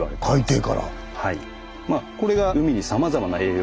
はい。